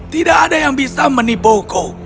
tidak ada yang bisa menipuku